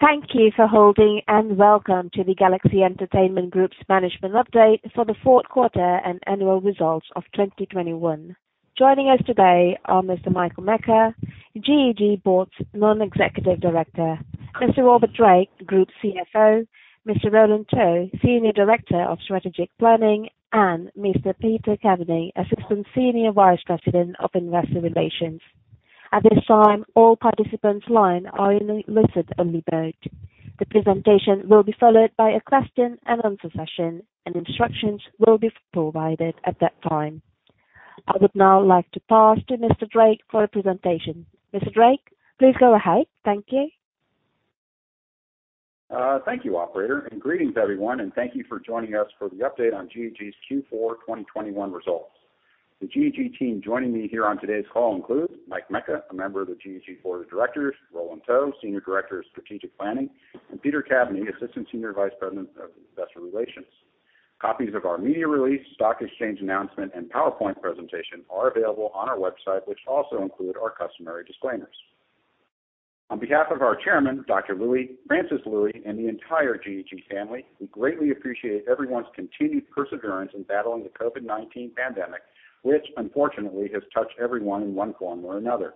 Thank you for holding, and welcome to the Galaxy Entertainment Group's management update for the fourth quarter and annual results of 2021. Joining us today are Mr. Michael Mecca, GEG Board's Non-Executive Director, Mr. Robert Drake, Group CFO, Mr. Roland To, Senior Director of Strategic Planning, and Mr. Peter Caveny, Assistant Senior Vice President of Investor Relations. At this time, all participants' lines are in listen-only mode. The presentation will be followed by a question-and-answer session, and instructions will be provided at that time. I would now like to pass to Mr. Drake for a presentation. Mr. Drake, please go ahead. Thank you. Thank you, operator, and greetings everyone, and thank you for joining us for the update on GEG's Q4 2021 results. The GEG team joining me here on today's call includes Mike Mecca, a member of the GEG Board of Directors, Roland To, Senior Director of Strategic Planning, and Peter Caveny, Assistant Senior Vice President of Investor Relations. Copies of our media release, stock exchange announcement, and PowerPoint presentation are available on our website, which also include our customary disclaimers. On behalf of our chairman, Dr. Lui, Francis Lui, and the entire GEG family, we greatly appreciate everyone's continued perseverance in battling the COVID-19 pandemic, which unfortunately has touched everyone in one form or another.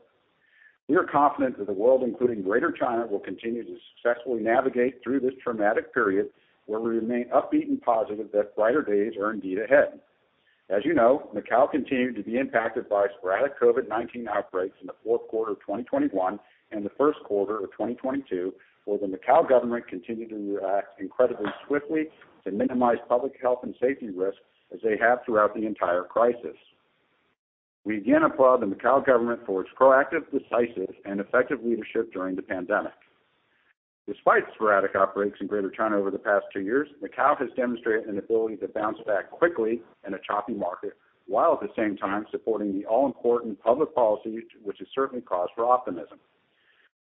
We are confident that the world, including Greater China, will continue to successfully navigate through this traumatic period, where we remain upbeat and positive that brighter days are indeed ahead. As you know, Macao continued to be impacted by sporadic COVID-19 outbreaks in the fourth quarter of 2021 and the first quarter of 2022, where the Macao government continued to react incredibly swiftly to minimize public health and safety risks as they have throughout the entire crisis. We again applaud the Macao government for its proactive, decisive, and effective leadership during the pandemic. Despite sporadic outbreaks in Greater China over the past two years, Macao has demonstrated an ability to bounce back quickly in a choppy market, while at the same time supporting the all-important public policy, which is certainly cause for optimism.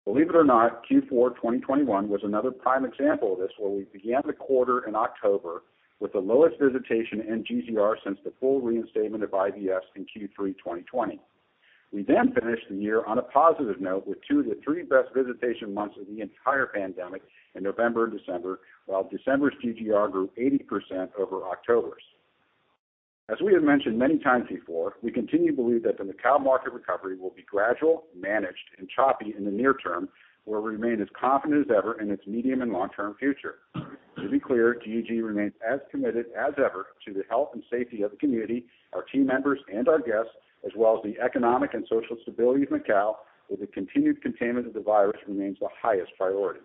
Believe it or not, Q4 2021 was another prime example of this, where we began the quarter in October with the lowest visitation in GGR since the full reinstatement of IVs in Q3 2020. We finished the year on a positive note with two of the three best visitation months of the entire pandemic in November and December, while December's GGR grew 80% over October's. As we have mentioned many times before, we continue to believe that the Macao market recovery will be gradual, managed, and choppy in the near term, where we remain as confident as ever in its medium and long-term future. To be clear, GEG remains as committed as ever to the health and safety of the community, our team members, and our guests, as well as the economic and social stability of Macao, where the continued containment of the virus remains the highest priority.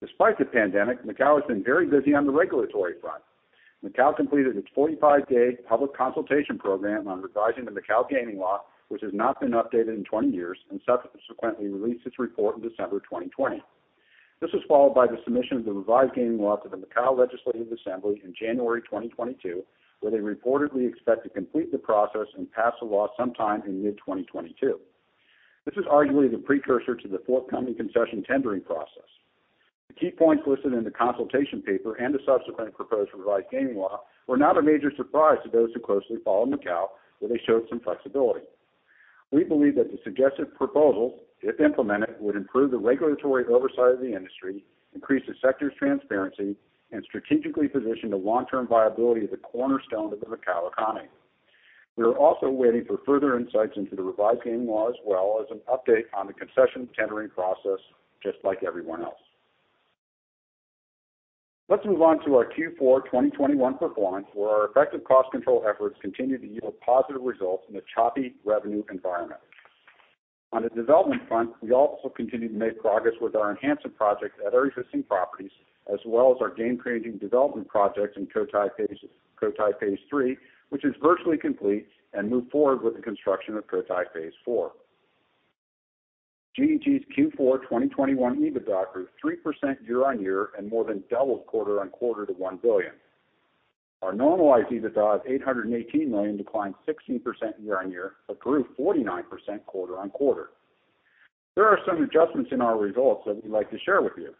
Despite the pandemic, Macao has been very busy on the regulatory front. Macao completed its 45-day public consultation program on revising the Macao gaming law, which has not been updated in 20 years, and subsequently released its report in December 2020. This was followed by the submission of the revised gaming law to the Macao Legislative Assembly in January 2022, where they reportedly expect to complete the process and pass a law sometime in mid-2022. This is arguably the precursor to the forthcoming concession tendering process. The key points listed in the consultation paper and the subsequent proposed revised gaming law were not a major surprise to those who closely follow Macao, where they showed some flexibility. We believe that the suggested proposals, if implemented, would improve the regulatory oversight of the industry, increase the sector's transparency, and strategically position the long-term viability of the cornerstone of the Macao economy. We are also waiting for further insights into the revised gaming law, as well as an update on the concession tendering process just like everyone else. Let's move on to our Q4 2021 performance, where our effective cost control efforts continue to yield positive results in a choppy revenue environment. On the development front, we also continued to make progress with our enhancement projects at our existing properties, as well as our game-changing development projects in Cotai Phase, Cotai Phase III, which is virtually complete and moved forward with the construction of Cotai Phase IV. GEG's Q4 2021 EBITDA grew 3% year-on-year and more than doubled quarter-on-quarter to HK$1 billion. Our normalized EBITDA of 818 million declined 16% year-on-year, but grew 49% quarter-on-quarter. There are some adjustments in our results that we'd like to share with you.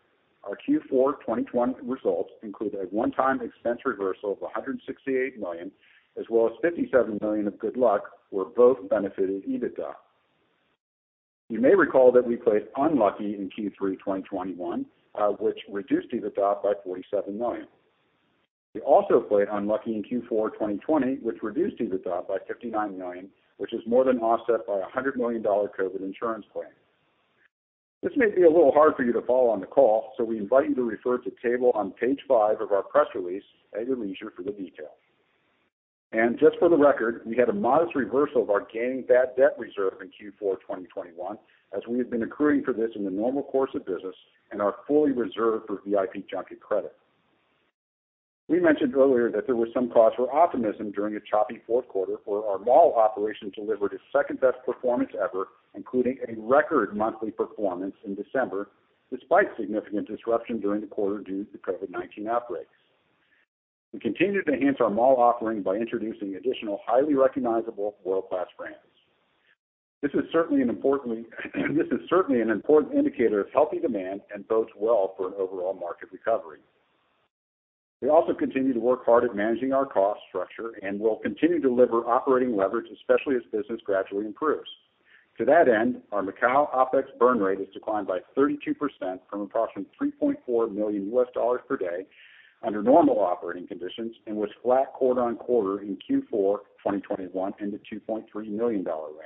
Our Q4 2021 results include a one-time expense reversal of 168 million, as well as 57 million of good luck, where both benefited EBITDA. You may recall that we played unlucky in Q3 2021, which reduced EBITDA by 47 million. We also played unlucky in Q4 2020, which reduced EBITDA by 59 million, which is more than offset by a $100 million COVID insurance claim. This may be a little hard for you to follow on the call, so we invite you to refer to table on page five of our press release at your leisure for the details. Just for the record, we had a modest reversal of our gaming bad debt reserve in Q4 2021, as we have been accruing for this in the normal course of business and are fully reserved for VIP junket credit. We mentioned earlier that there was some cause for optimism during a choppy fourth quarter, where our mall operations delivered its second-best performance ever, including a record monthly performance in December, despite significant disruption during the quarter due to COVID-19 outbreaks. We continue to enhance our mall offering by introducing additional highly recognizable world-class brands. This is certainly an important indicator of healthy demand and bodes well for an overall market recovery. We also continue to work hard at managing our cost structure, and we'll continue to deliver operating leverage, especially as business gradually improves. To that end, our Macau OPEX burn rate has declined by 32% from approximately $3.4 million per day under normal operating conditions and was flat quarter-on-quarter in Q4 2021 in the $2.3 million range.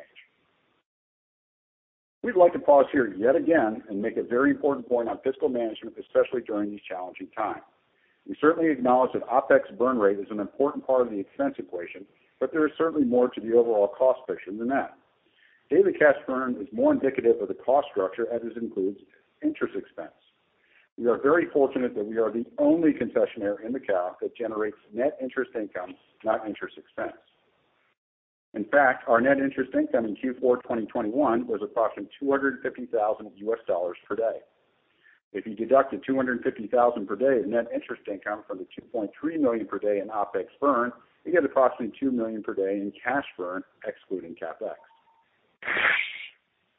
We'd like to pause here yet again and make a very important point on fiscal management, especially during these challenging times. We certainly acknowledge that OPEX burn rate is an important part of the expense equation, but there is certainly more to the overall cost picture than that. Daily cash burn is more indicative of the cost structure as it includes interest expense. We are very fortunate that we are the only concessionaire in Macau that generates net interest income, not interest expense. In fact, our net interest income in Q4 2021 was approximately $250,000 per day. If you deduct the $250,000 per day net interest income from the $2.3 million per day in OPEX burn, you get approximately $2 million per day in cash burn, excluding CapEx.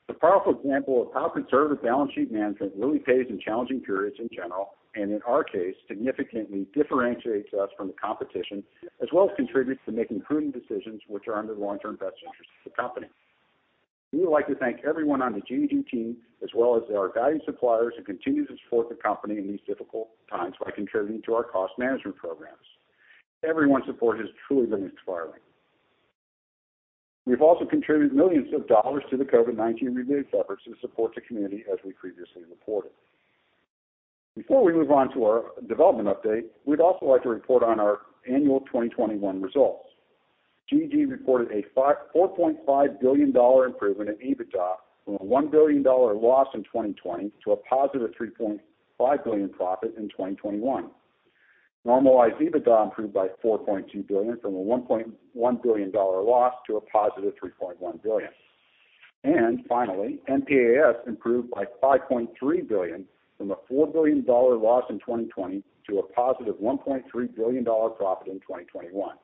It's a powerful example of how conservative balance sheet management really pays in challenging periods in general, and in our case, significantly differentiates us from the competition, as well as contributes to making prudent decisions which are under the long-term best interest of the company. We would like to thank everyone on the GEG team, as well as our valued suppliers, who continue to support the company in these difficult times by contributing to our cost management programs. Everyone's support has truly been inspiring. We've also contributed millions dollars to the COVID-19 relief efforts to support the community as we previously reported. Before we move on to our development update, we'd also like to report on our annual 2021 results. GEG reported a 4.5 billion dollar improvement in EBITDA from a 1 billion dollar loss in 2020 to a positive 3.5 billion profit in 2021. Normalized EBITDA improved by 4.2 billion from a 1.1 billion dollar loss to a positive 3.1 billion. Finally, NPAT improved by 5.3 billion from a 4 billion dollar loss in 2020 to a positive 1.3 billion dollar profit in 2021.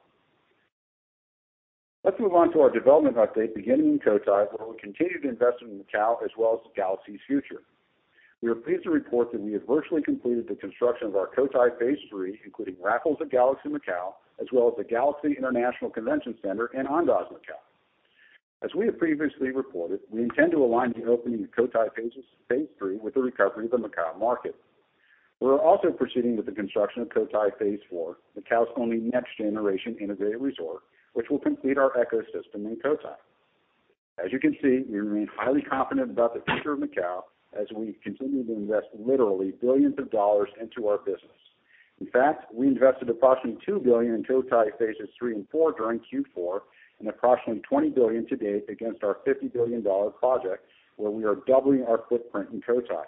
Let's move on to our development update beginning in Cotai, where we continue to invest in Macau as well as Galaxy's future. We are pleased to report that we have virtually completed the construction of our Cotai Phase III, including Raffles at Galaxy Macau, as well as the Galaxy International Convention Center and Andaz Macau. As we have previously reported, we intend to align the opening of Cotai Phase III with the recovery of the Macau market. We are also proceeding with the construction of Cotai Phase IV, Macau's only next-generation integrated resort, which will complete our ecosystem in Cotai. As you can see, we remain highly confident about the future of Macau as we continue to invest literally billions of HKD into our business. In fact, we invested approximately 2 billion in Cotai Phases III and IV during Q4 and approximately 20 billion to date against our 50 billion dollar project where we are doubling our footprint in Cotai.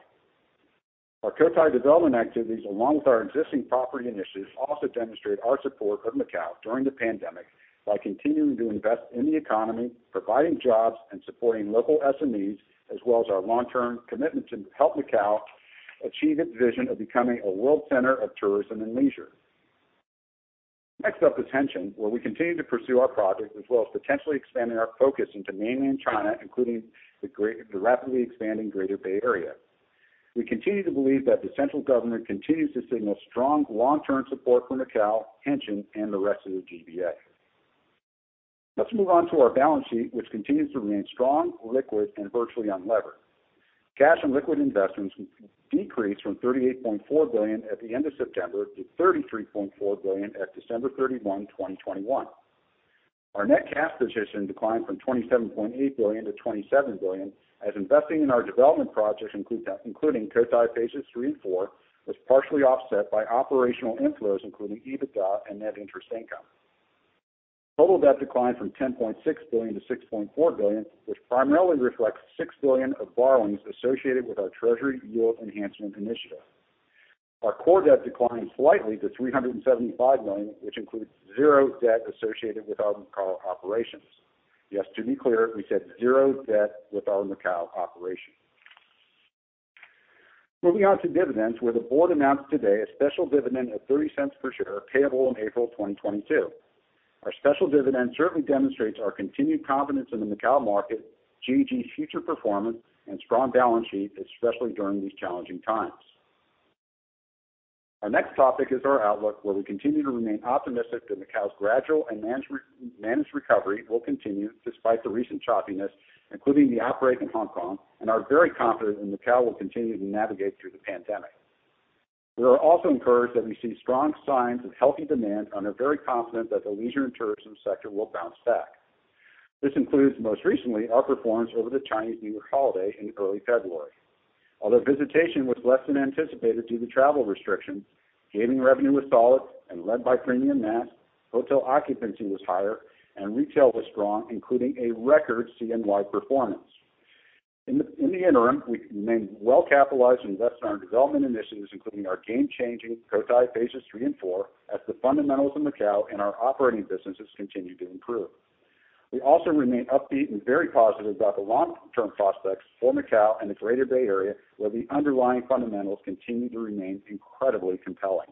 Our Cotai development activities along with our existing property initiatives also demonstrate our support of Macau during the pandemic by continuing to invest in the economy, providing jobs, and supporting local SMEs, as well as our long-term commitment to help Macau achieve its vision of becoming a world center of tourism and leisure. Next up, at Hengqin, where we continue to pursue our project as well as potentially expanding our focus into Mainland China, including the rapidly expanding Greater Bay Area. We continue to believe that the central government continues to signal strong long-term support for Macau, Hengqin, and the rest of the GBA. Let's move on to our balance sheet, which continues to remain strong, liquid, and virtually unlevered. Cash and liquid investments decreased from 38.4 billion at the end of September to 33.4 billion at December 31, 2021. Our net cash position declined from 27.8 billion to 27 billion as investing in our development projects including Cotai Phases III and IV was partially offset by operational inflows, including EBITDA and net interest income. Total debt declined from 10.6 billion to 6.4 billion, which primarily reflects 6 billion of borrowings associated with our treasury yield enhancement initiative. Our core debt declined slightly to 375 million, which includes zero debt associated with our Macau operations. Yes, to be clear, we said zero debt with our Macau operations. Moving on to dividends, where the board announced today a special dividend of 0.30 per share payable in April 2022. Our special dividend certainly demonstrates our continued confidence in the Macau market, GEG's future performance, and strong balance sheet, especially during these challenging times. Our next topic is our outlook, where we continue to remain optimistic that Macau's gradual and managed recovery will continue despite the recent choppiness, including the outbreak in Hong Kong, and are very confident that Macau will continue to navigate through the pandemic. We are also encouraged that we see strong signs of healthy demand and are very confident that the leisure and tourism sector will bounce back. This includes, most recently, our performance over the Chinese New Year holiday in early February. Although visitation was less than anticipated due to travel restrictions, gaming revenue was solid and led by premium mass. Hotel occupancy was higher, and retail was strong, including a record CNY performance. In the interim, we remain well-capitalized to invest in our development initiatives, including our game-changing Cotai Phases III and IV, as the fundamentals in Macau and our operating businesses continue to improve. We also remain upbeat and very positive about the long-term prospects for Macau and the Greater Bay Area, where the underlying fundamentals continue to remain incredibly compelling.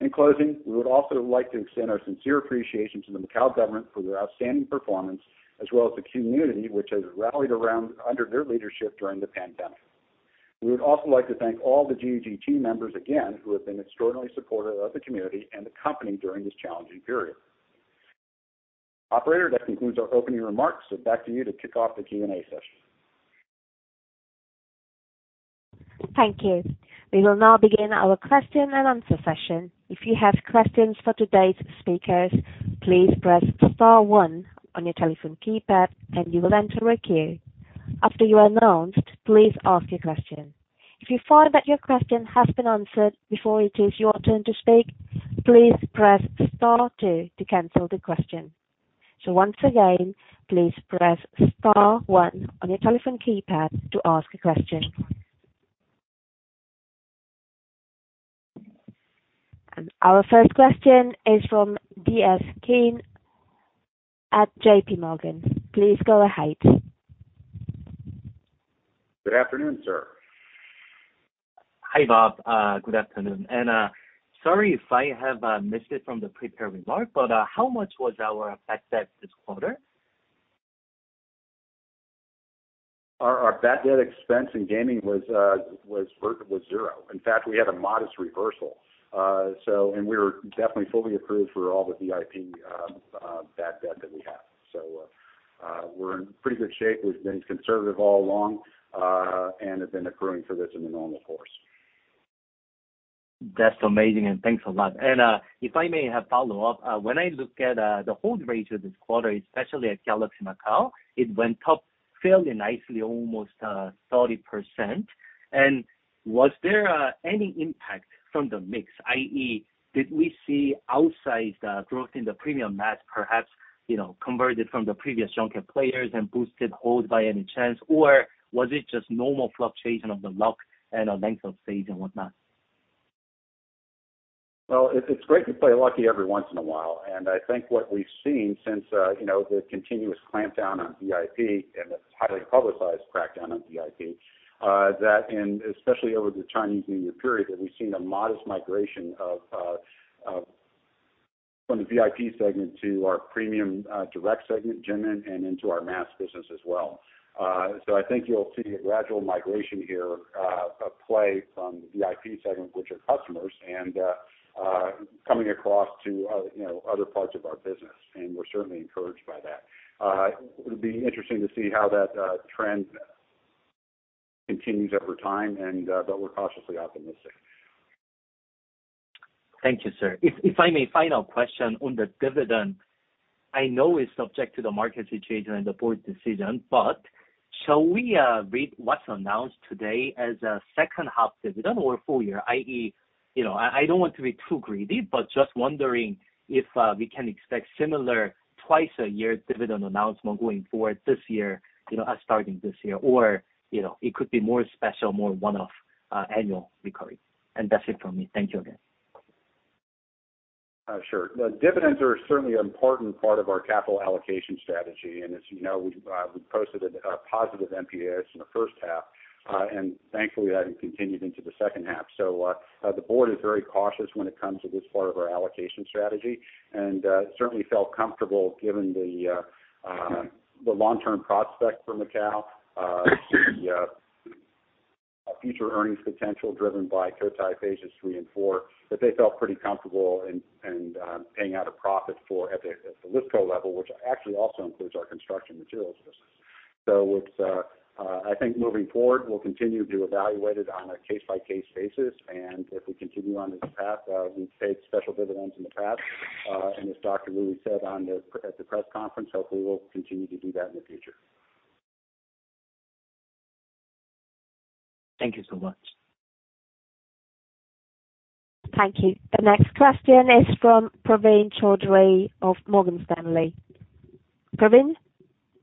In closing, we would also like to extend our sincere appreciation to the Macau government for their outstanding performance as well as the community, which has rallied around under their leadership during the pandemic. We would also like to thank all the GEG team members again, who have been extraordinarily supportive of the community and the company during this challenging period. Operator, that concludes our opening remarks. Back to you to kick off the Q&A session. Thank you. We will now begin our question-and-answer session. If you have questions for today's speakers, please press star one on your telephone keypad, and you will enter a queue. After you are announced, please ask your question. If you find that your question has been answered before it is your turn to speak, please press star two to cancel the question. Once again, please press star one on your telephone keypad to ask a question. Our first question is from DS Kim at JPMorgan. Please go ahead. Good afternoon, sir. Hi, Bob. Good afternoon. Sorry if I have missed it from the prepared remark, but how much was our bad debt this quarter? Our bad debt expense in gaming was zero. In fact, we had a modest reversal. We were definitely fully accrued for all the VIP bad debt that we have. We're in pretty good shape. We've been conservative all along, and have been accruing for this in the normal course. That's amazing, and thanks a lot. If I may have follow-up, when I look at the hold rate of this quarter, especially at Galaxy Macau, it went up fairly nicely, almost 30%. Was there any impact from the mix? I.e., did we see outsized growth in the premium mass, perhaps, you know, converted from the previous junket players and boosted hold by any chance? Or was it just normal fluctuation of the luck and the length of stay and whatnot? Well, it's great to be lucky every once in a while. I think what we've seen since, you know, the continuous clampdown on VIP, and the highly publicized crackdown on VIP, that, in especially over the Chinese New Year period, that we've seen a modest migration from the VIP segment to our premium direct segment, GMM, and into our mass business as well. I think you'll see a gradual migration here, of play from the VIP segment, which are customers, and coming across to, you know, other parts of our business. We're certainly encouraged by that. It'll be interesting to see how that trend continues over time and but we're cautiously optimistic. Thank you, sir. If I may, final question on the dividend. I know it's subject to the market situation and the board decision, but shall we read what's announced today as a second half dividend or full year, i.e., you know, I don't want to be too greedy, but just wondering if we can expect similar twice-a-year dividend announcement going forward this year, you know, starting this year? Or, you know, it could be more special, more one-off, annual recurring. That's it from me. Thank you again. Sure. The dividends are certainly an important part of our capital allocation strategy. As you know, we posted a positive NPAT in the first half, and thankfully, that has continued into the second half. The board is very cautious when it comes to this part of our allocation strategy, and certainly felt comfortable given the long-term prospect for Macao, the future earnings potential driven by Cotai Phases III and IV, that they felt pretty comfortable in paying out a profit at the listco level, which actually also includes our construction materials business. It's, I think, moving forward, we'll continue to evaluate it on a case-by-case basis. If we continue on this path, we've paid special dividends in the past, and as Dr. Lui said at the press conference, hopefully we'll continue to do that in the future. Thank you so much. Thank you. The next question is from Praveen Choudhary of Morgan Stanley. Praveen,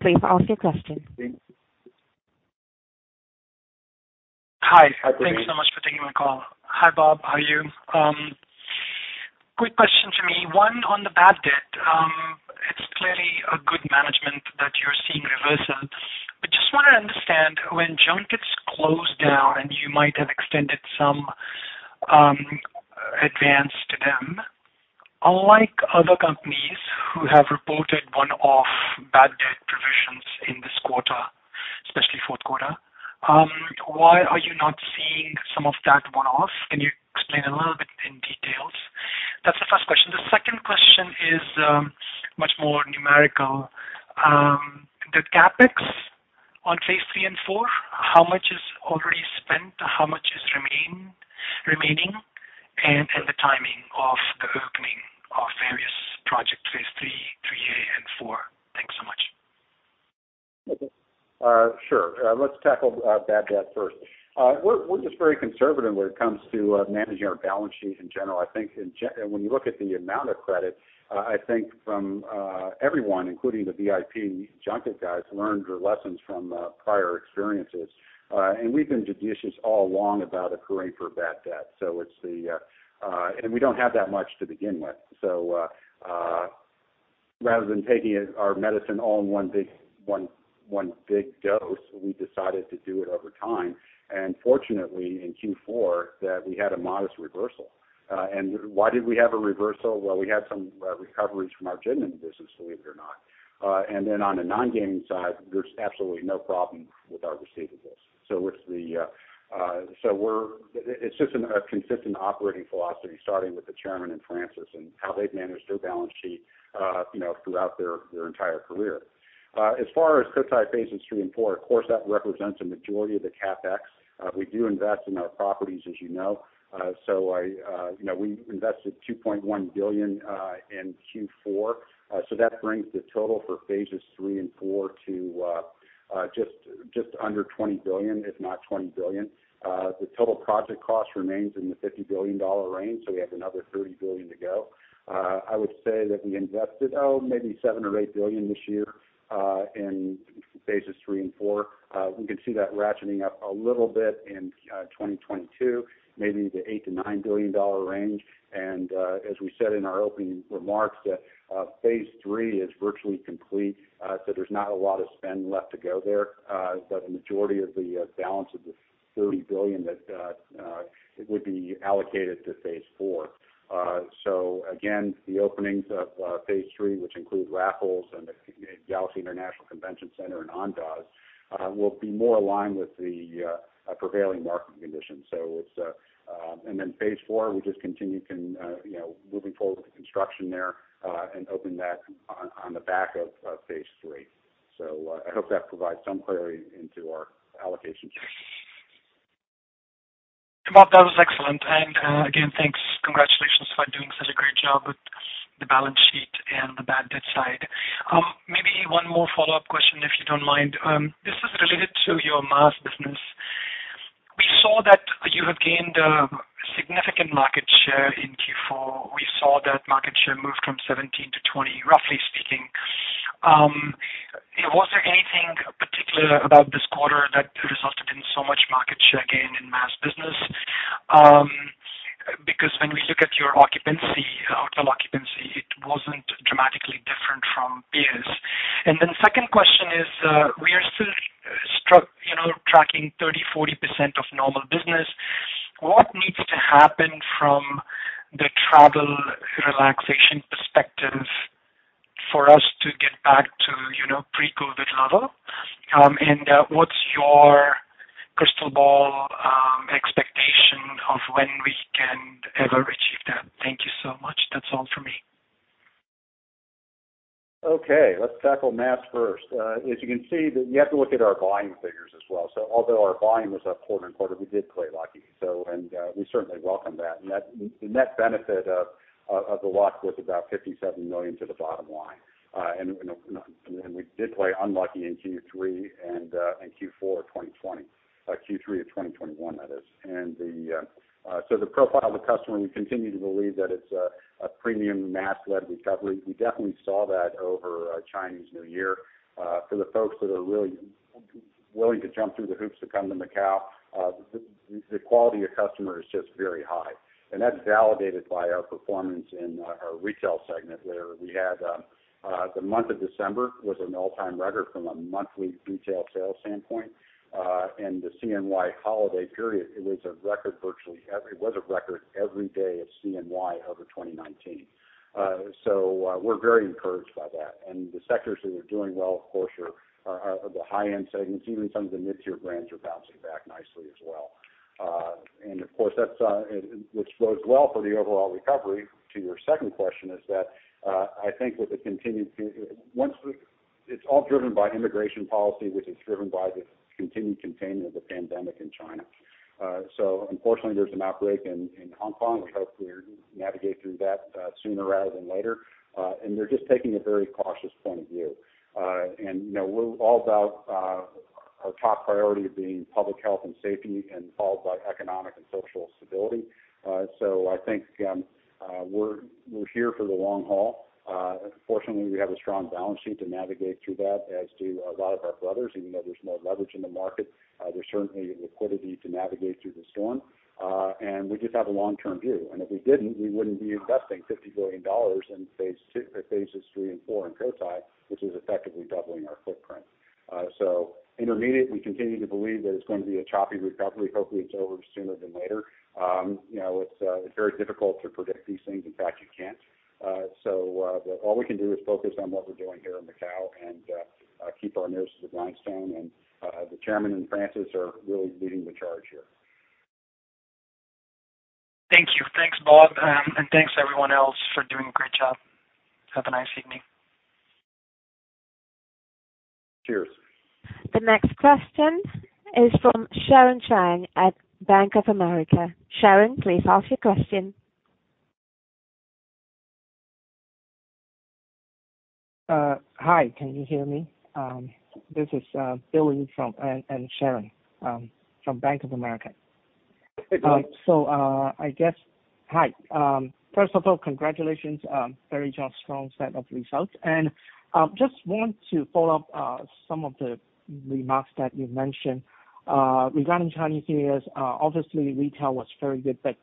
please ask your question. Hi. Hi, Praveen. Hi. Thank you so much for taking my call. Hi, Bob. How are you? Quick question to me, one, on the bad debt. It's clearly a good management that you're seeing reversal. Just wanna understand when junkets close down and you might have extended some advance to them, unlike other companies who have reported one-off bad debt provisions in this quarter, especially fourth quarter, why are you not seeing some of that one-off? Can you explain a little bit in detail? That's the first question. The second question is much more numerical. The CapEx on Phase III and IV, how much is already spent, how much is remaining, and the timing of the opening of various project Phase III, and IV. Thanks so much. Okay. Sure. Let's tackle bad debt first. We're just very conservative when it comes to managing our balance sheet in general. I think when you look at the amount of credit, I think from everyone, including the VIP junket guys, learned their lessons from prior experiences. We've been judicious all along about accruing for bad debt and we don't have that much to begin with. Rather than taking our medicine all in one big dose, we decided to do it over time. Fortunately, in Q4, that we had a modest reversal. Why did we have a reversal? Well, we had some recoveries from our Genting business, believe it or not. On the non-gaming side, there's absolutely no problem with our receivables. It's just a consistent operating philosophy, starting with the chairman and Francis and how they've managed their balance sheet, you know, throughout their entire career. As far as Cotai Phases III and IV, of course, that represents a majority of the CapEx. We do invest in our properties, as you know. You know, we invested 2.1 billion in Q4. That brings the total for Phases III and IV to just under 20 billion, if not 20 billion. The total project cost remains in the 50 billion dollar range, so we have another 30 billion to go. I would say that we invested maybe 7 billion or 8 billion this year in Phases III and IV. We can see that ratcheting up a little bit in 2022, maybe the 8 billion-9 billion dollar range. As we said in our opening remarks, Phase III is virtually complete. There's not a lot of spend left to go there, but the majority of the balance of the 30 billion that would be allocated to Phase IV. Again, the openings of Phase III, which include Raffles and the Galaxy International Convention Center and Andaz, will be more aligned with the prevailing market conditions. Phase IV, we just continue, you know, moving forward with the construction there, and open that on the back of Phase III. I hope that provides some clarity into our allocation strategy. Bob, that was excellent. Again, thanks. Congratulations for doing such a great job with the balance sheet and the bad debt side. Maybe one more follow-up question, if you don't mind. This is related to your mass business. We saw that you have gained significant market share in Q4. We saw that market share move from 17 to 20, roughly speaking. Was there anything particular about this quarter that resulted in so much market share gain in mass business? Because when we look at your occupancy, hotel occupancy, it wasn't dramatically different from peers. Then second question is, we are still you know, tracking 30%-40% of normal business. What needs to happen from the travel relaxation perspective for us to get back to, you know, pre-COVID level? What's your crystal ball expectation of when we can ever achieve that? Thank you so much. That's all for me. Okay, let's tackle mass first. As you can see, you have to look at our volume figures as well. Although our volume was up quarter-over-quarter, we did play lucky. We certainly welcome that. That, the net benefit of the luck was about 57 million to the bottom line. We did play unlucky in Q3 and in Q4 of 2020, Q3 of 2021, that is. The profile of the customer, we continue to believe that it's a premium mass-led recovery. We definitely saw that over Chinese New Year. For the folks that are really willing to jump through the hoops to come to Macau, the quality of customer is just very high. That's validated by our performance in our retail segment, where the month of December was an all-time record from a monthly retail sales standpoint. The CNY holiday period, it was a record every day at CNY over 2019. We're very encouraged by that. The sectors that are doing well, of course, are the high-end segments. Even some of the mid-tier brands are bouncing back nicely as well. Of course, that bodes well for the overall recovery. To your second question, that is, I think it's all driven by immigration policy, which is driven by the continued containment of the pandemic in China. Unfortunately, there's an outbreak in Hong Kong. We hope we navigate through that sooner rather than later. They're just taking a very cautious point of view. You know, we're all about our top priority being public health and safety, followed by economic and social stability. I think we're here for the long haul. Fortunately, we have a strong balance sheet to navigate through that, as do a lot of our brothers, even though there's more leverage in the market. There's certainly liquidity to navigate through the storm. We just have a long-term view. If we didn't, we wouldn't be investing 50 billion dollars in Phase II, Phases III and IV in Cotai, which is effectively doubling our footprint. Intermediate, we continue to believe that it's going to be a choppy recovery. Hopefully, it's over sooner than later. You know, it's very difficult to predict these things. In fact, you can't. All we can do is focus on what we're doing here in Macau and keep our noses to the grindstone. The Chairman and Francis are really leading the charge here. Thank you. Thanks, Bob. Thanks everyone else for doing a great job. Have a nice evening. Cheers. The next question is from Sharon Cheung at Bank of America. Sharon, please ask your question. Hi, can you hear me? This is Billy on Sharon from Bank of America. I guess, hi. First of all, congratulations on very strong set of results. Just want to follow up some of the remarks that you mentioned regarding Chinese New Years. Obviously, retail was very good, but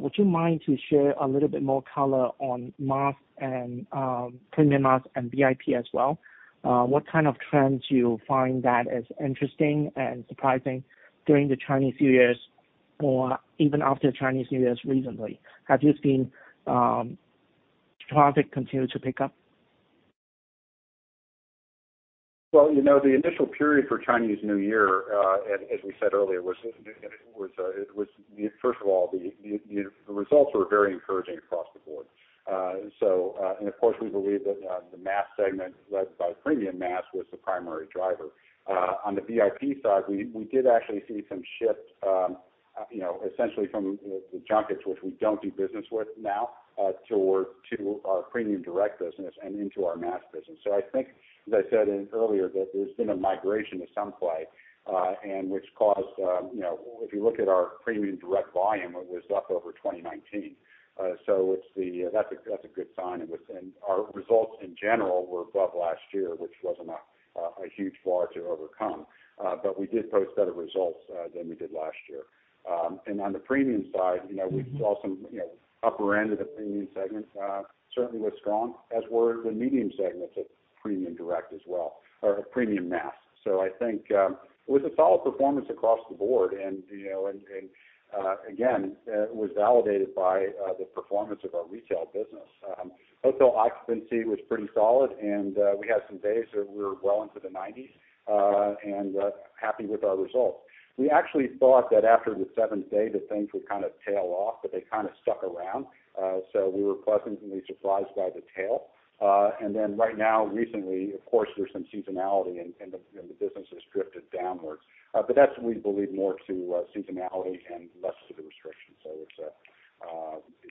would you mind to share a little bit more color on mass and premium mass and VIP as well? What kind of trends you find that is interesting and surprising during the Chinese New Years or even after Chinese New Years recently? Have you seen traffic continue to pick up? Well, you know, the initial period for Chinese New Year, as we said earlier, first of all, the results were very encouraging across the board. Of course, we believe that the mass segment led by premium mass was the primary driver. On the VIP side, we did actually see some shift, you know, essentially from the junkets, which we don't do business with now, toward our premium direct business and into our mass business. I think, as I said earlier, that there's been a migration to some play, and which caused, you know, if you look at our premium direct volume, it was up over 2019. That's a good sign. Our results in general were above last year, which wasn't a huge bar to overcome. We did post better results than we did last year. On the premium side, you know, we saw some upper end of the premium segment certainly was strong, as were the medium segments of premium direct as well, or premium mass. I think it was a solid performance across the board. You know, again, it was validated by the performance of our retail business. Hotel occupancy was pretty solid, and we had some days that we were well into the 90s, and happy with our results. We actually thought that after the seventh day that things would kind of tail off, but they kind of stuck around. We were pleasantly surprised by the tail. Right now, recently, of course, there's some seasonality, and the business has drifted downward. That's, we believe, more to seasonality and less to the restrictions. It's,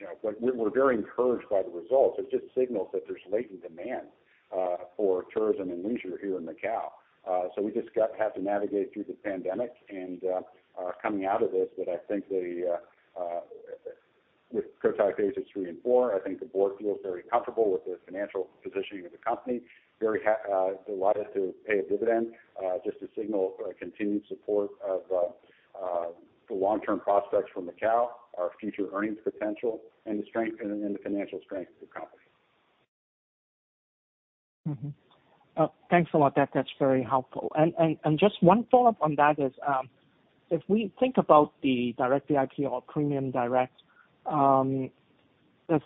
you know, we're very encouraged by the results. It just signals that there's latent demand for tourism and leisure here in Macau. We have to navigate through the pandemic. Coming out of this, I think with Phase III and IV, I think the board feels very comfortable with the financial positioning of the company. Very delighted to pay a dividend just to signal continued support of the long-term prospects for Macau, our future earnings potential, and the financial strength of the company. Thanks a lot. That's very helpful. Just one follow-up on that is, if we think about the direct VIP or premium direct, if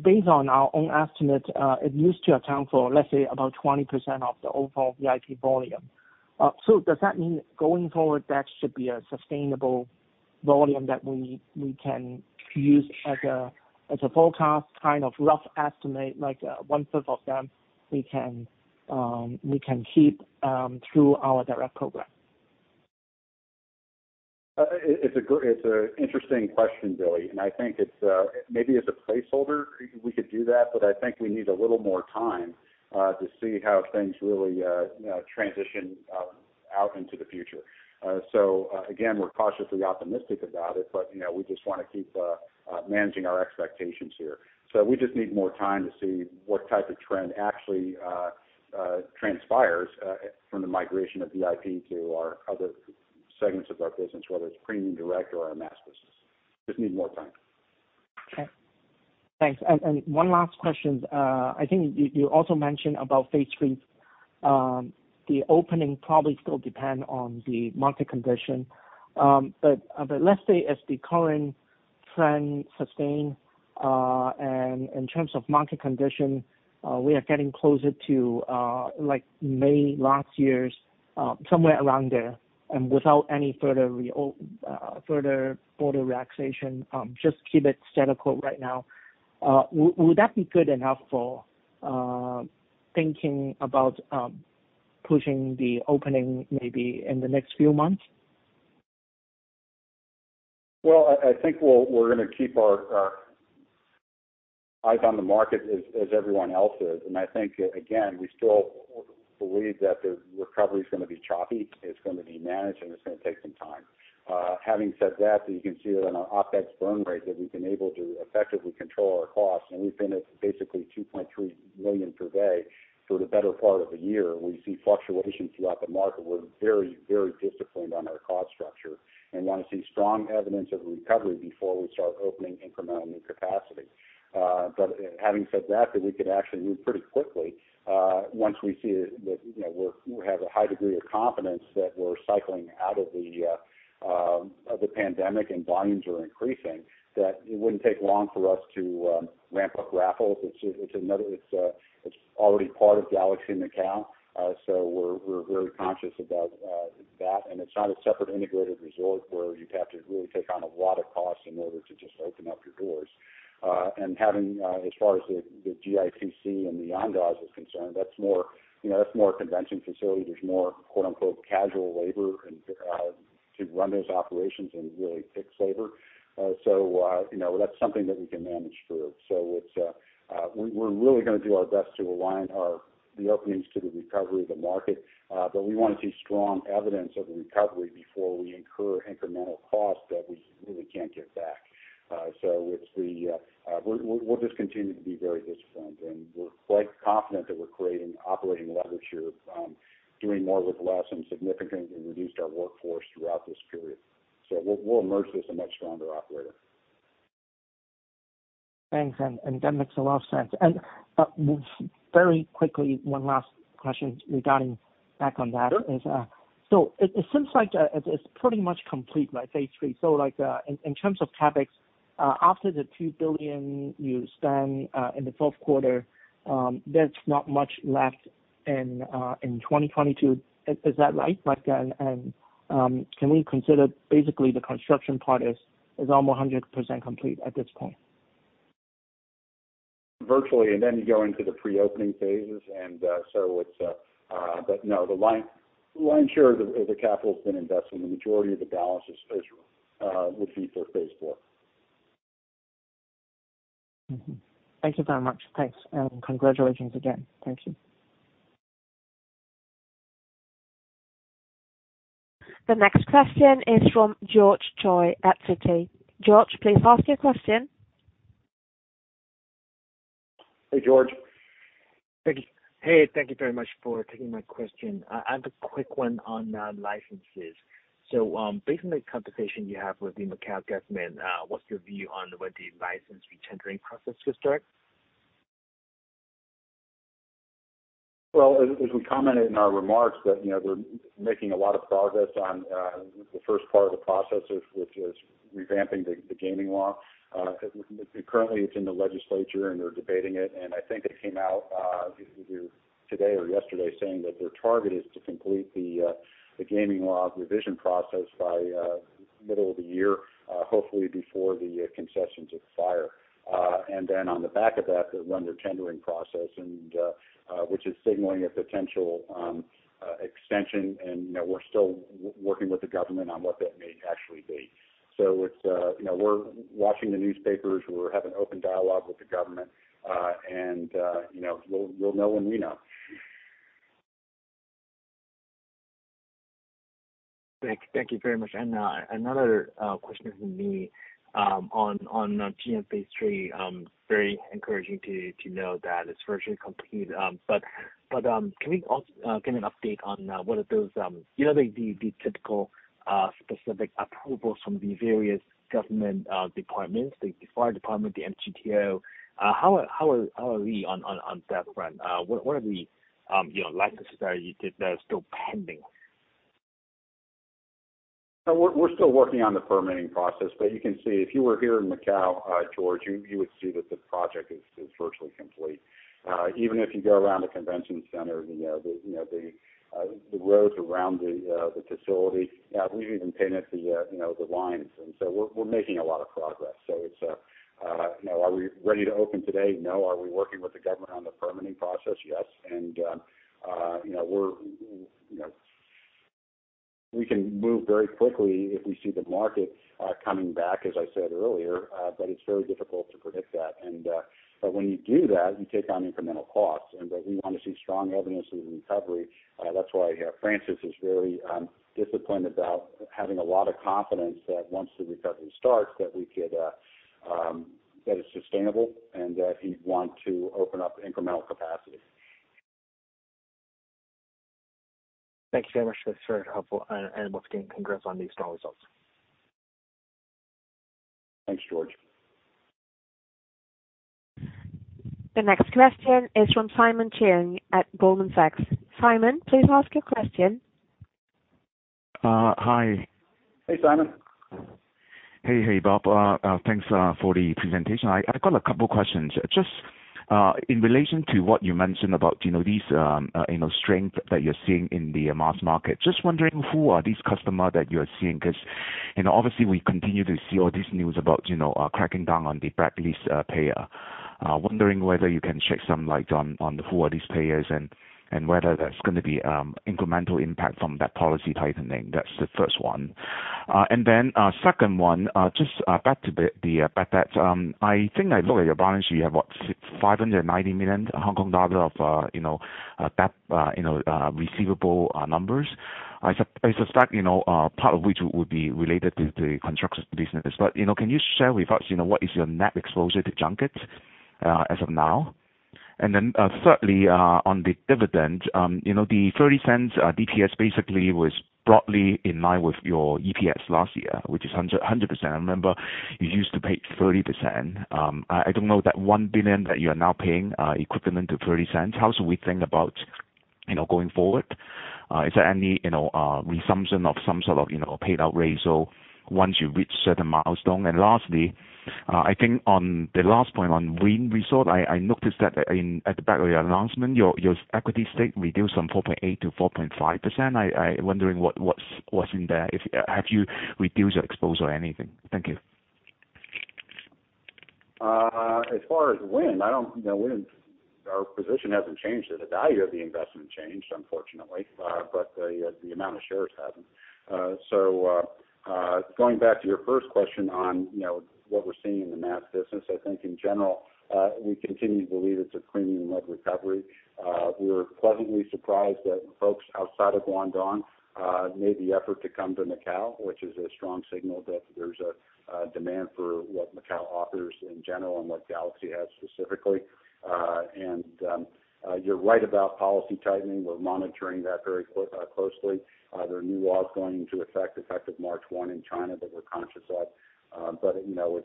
based on our own estimate, it used to account for, let's say, about 20% of the overall VIP volume. Does that mean going forward, that should be a sustainable volume that we can use as a forecast, kind of rough estimate, like 1/5 of them, we can keep through our direct program? It's an interesting question, Billy. I think it's maybe as a placeholder, we could do that, but I think we need a little more time to see how things really you know, transition out into the future. Again, we're cautiously optimistic about it, but you know, we just wanna keep managing our expectations here. We just need more time to see what type of trend actually transpires from the migration of VIP to our other segments of our business, whether it's premium direct or our mass business. Just need more time. Okay. Thanks. One last question. I think you also mentioned about Phase III. The opening probably still depend on the market condition. Let's say as the current trend sustain and in terms of market condition, we are getting closer to, like May last year, somewhere around there and without any further border relaxation, just keep it status quo right now. Would that be good enough for thinking about pushing the opening maybe in the next few months? I think we're gonna keep our eyes on the market as everyone else is. I think, again, we still believe that the recovery is gonna be choppy, it's gonna be managed, and it's gonna take some time. Having said that, you can see that on our OPEX burn rate, that we've been able to effectively control our costs. We've been at basically 2.3 million per day for the better part of the year. We see fluctuations throughout the market. We're very, very disciplined on our cost structure and want to see strong evidence of recovery before we start opening incremental new capacity. Having said that we could actually move pretty quickly, once we see that, you know, we have a high degree of confidence that we're cycling out of the pandemic and volumes are increasing, that it wouldn't take long for us to ramp up Raffles. It's already part of Galaxy Macau, so we're very conscious about that. It's not a separate integrated resort where you'd have to really take on a lot of costs in order to just open up your doors. As far as the GICC and the Andaz is concerned, that's more, you know, that's more convention facility. There's more, quote-unquote, "casual labor" and to run those operations and really fixed labor. So, you know, that's something that we can manage through. We're really gonna do our best to align the openings to the recovery of the market. But we wanna see strong evidence of the recovery before we incur incremental costs that we really can't get back. We'll just continue to be very disciplined. We're quite confident that we're creating operating leverage here, doing more with less and significantly reduced our workforce throughout this period. We'll emerge as a much stronger operator. Thanks, and that makes a lot of sense. Very quickly, one last question regarding back on that. Sure. It seems like it's pretty much complete, right, Phase III. Like, in terms of CapEx, after the 2 billion you spent in the fourth quarter, there's not much left in 2022. Is that right? Like, and can we consider basically the construction part is almost 100% complete at this point? Virtually, and then you go into the pre-opening phases. No, the lion's share of the capital has been invested, and the majority of the balance is Phase III would be for Phase IV. Thank you very much. Thanks, and congratulations again. Thank you. The next question is from George Choi at Citi. George, please ask your question. Hey, George. Thank you. Hey, thank you very much for taking my question. I have a quick one on licenses. Based on the conversation you have with the Macao government, what's your view on when the license retendering process will start? As we commented in our remarks that, you know, we're making a lot of progress on the first part of the process which is revamping the gaming law. Currently it's in the legislature, and they're debating it. I think it came out either today or yesterday saying that their target is to complete the gaming law revision process by middle of the year, hopefully before the concessions expire. Then on the back of that, they'll run their tendering process and which is signaling a potential extension. You know, we're still working with the government on what that may actually be. It's, you know, we're watching the newspapers. We're having open dialogue with the government, and, you know, we'll know when we know. Thank you very much. Another question from me on GEG Phase III. Very encouraging to know that it's virtually complete. Can we get an update on what are those, you know, the typical specific approvals from the various government departments, the fire department, the MGTO. How are we on that front? What are the licenses that are still pending? We're still working on the permitting process. You can see if you were here in Macau, George, you would see that the project is virtually complete. Even if you go around the convention center, you know, the roads around the facility, we've even painted, you know, the lines. We're making a lot of progress. It's, you know, are we ready to open today? No. Are we working with the government on the permitting process? Yes. You know, we can move very quickly if we see the market coming back, as I said earlier. It's very difficult to predict that. When you do that, you take on incremental costs. We want to see strong evidence of the recovery. That's why Francis is very disciplined about having a lot of confidence that once the recovery starts, that we could, that it's sustainable and that he'd want to open up incremental capacity. Thank you very much. That's very helpful. Once again, congrats on the strong results. Thanks, George. The next question is from Simon Cheung at Goldman Sachs. Simon, please ask your question. Hi. Hey, Simon. Hey, Bob. Thanks for the presentation. I've got a couple questions. Just in relation to what you mentioned about, you know, these, you know, strength that you're seeing in the mass market. Just wondering who are these customers that you're seeing? 'Cause, you know, obviously we continue to see all this news about, you know, cracking down on the blacklist players. Wondering whether you can shed some light on who are these players and whether there's gonna be incremental impact from that policy tightening. That's the first one. Second one, just back to the debt that I think I saw on your balance sheet. You have, what, 590 million Hong Kong dollars of, you know, that, you know, receivable numbers. I suspect, you know, part of which would be related to the construction business. You know, can you share with us, you know, what is your net exposure to junkets as of now? And then, thirdly, on the dividend, you know, the 0.30 DPS basically was broadly in line with your EPS last year, which is 100%. I remember you used to pay 30%. I don't know that 1 billion that you're now paying, equivalent to 0.30. How should we think about, you know, going forward? Is there any, you know, resumption of some sort of, you know, payout ratio once you reach certain milestone? Lastly, I think on the last point on Wynn Resorts, I noticed that at the back of your announcement, your equity stake reduced from 4.8%-4.5%. I was wondering what's in there. Have you reduced your exposure or anything? Thank you. As far as Wynn, I don't—you know, Wynn, our position hasn't changed. The value of the investment changed, unfortunately, but the amount of shares hasn't. Going back to your first question on, you know, what we're seeing in the mass business, I think in general, we continue to believe it's a premium-led recovery. We were pleasantly surprised that folks outside of Guangdong made the effort to come to Macao, which is a strong signal that there's a demand for what Macao offers in general and what Galaxy has specifically. You're right about policy tightening. We're monitoring that very closely. There are new laws going into effect effective March 1 in China that we're conscious of. You know,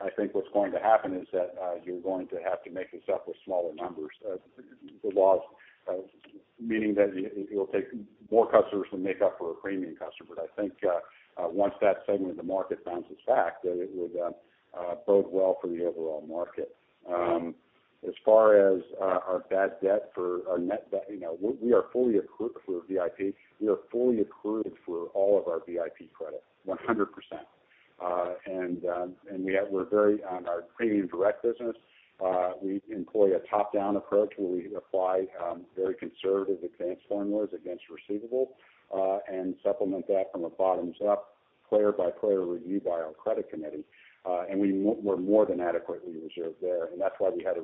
I think what's going to happen is that you're going to have to make this up with smaller numbers. The loss, meaning that it'll take more customers to make up for a premium customer. I think once that segment of the market bounces back, that it would bode well for the overall market. As far as our bad debt and our net debt, you know, we are fully accrued for VIP. We are fully accrued for all of our VIP credit, 100%. On our premium direct business, we employ a top-down approach where we apply very conservative advance formulas against receivables, and supplement that from a bottoms-up player-by-player review by our credit committee. We're more than adequately reserved there, and that's why we had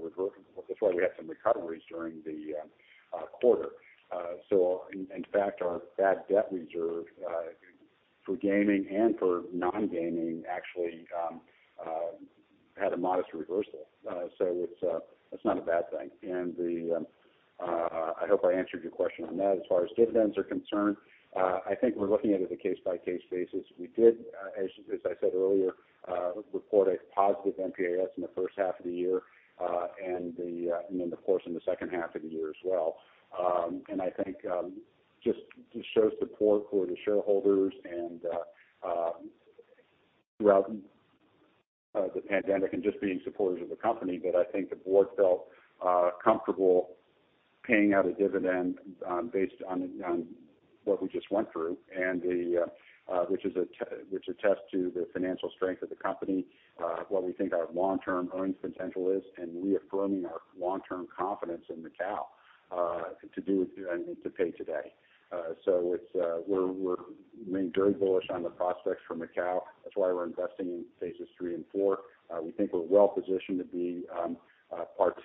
some recoveries during the quarter. In fact, our bad debt reserve for gaming and for non-gaming actually had a modest reversal. It's not a bad thing. I hope I answered your question on that. As far as dividends are concerned, I think we're looking at it on a case-by-case basis. We did, as I said earlier, report a positive NPAT in the first half of the year, and then of course, in the second half of the year as well. I think just to show support for the shareholders and throughout the pandemic and just being supporters of the company, that I think the board felt comfortable paying out a dividend based on what we just went through and which attests to the financial strength of the company, what we think our long-term earnings potential is, and reaffirming our long-term confidence in Macao to do and to pay today. We're remaining very bullish on the prospects for Macao. That's why we're investing in phases three and four. We think we're well positioned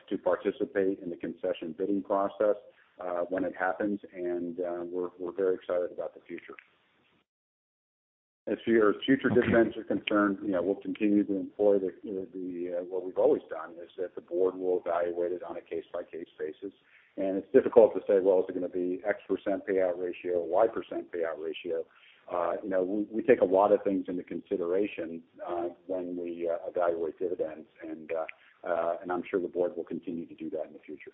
to participate in the concession bidding process when it happens, and we're very excited about the future. As to your future dividends are concerned, you know, we'll continue to employ what we've always done is that the board will evaluate it on a case-by-case basis. It's difficult to say, "Well, is it gonna be X% payout ratio, Y% payout ratio?" You know, we take a lot of things into consideration when we evaluate dividends, and I'm sure the board will continue to do that in the future.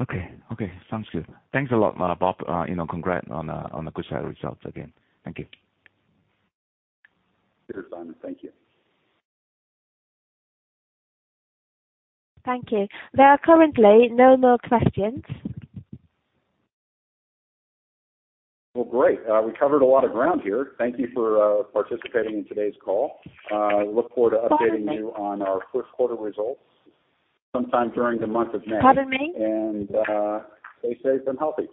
Okay. Okay, sounds good. Thanks a lot, Bob. You know, congrats on the good set of results again. Thank you. Cheers, Simon. Thank you. Thank you. There are currently no more questions. Well, great. We covered a lot of ground here. Thank you for participating in today's call. We look forward to updating you on our first quarter results sometime during the month of May. Pardon me. Stay safe and healthy.